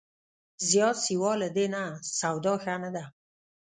زیات سیوا له دې نه، سودا ښه نه ده